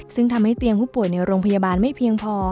ซึ่งทำให้เตียงผู้ป่วยในโรงพยาบาลไม่เพียงพอ